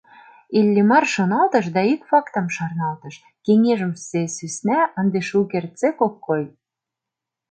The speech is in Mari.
Иллимар шоналтыш да ик фактым шарналтыш: кеҥежымсе сӧсна ынде шукертсек ок кой.